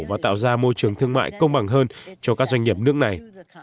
và tạo ra môi trường thương mại công bằng hơn cho các doanh nghiệp nước này